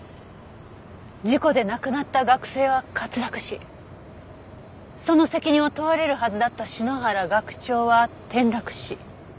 事故で亡くなった学生は滑落死その責任を問われるはずだった篠原学長は転落死。